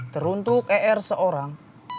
teruntuk er seorang